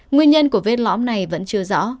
nguyên nhân của vết lõm này vẫn chưa rõ